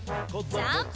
ジャンプ！